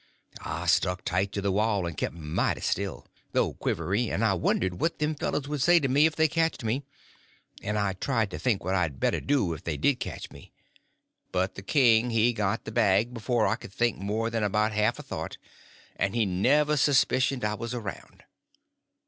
I stuck tight to the wall and kept mighty still, though quivery; and I wondered what them fellows would say to me if they catched me; and I tried to think what I'd better do if they did catch me. But the king he got the bag before I could think more than about a half a thought, and he never suspicioned I was around.